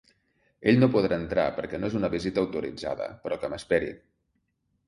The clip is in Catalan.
Ell no podrà entrar perquè no és una visita autoritzada, però que m’esperi.